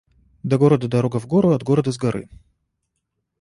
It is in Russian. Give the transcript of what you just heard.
До города дорога в гору, от города — с горы.